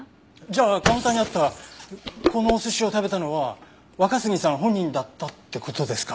じゃあカウンターにあったこのお寿司を食べたのは若杉さん本人だったって事ですか。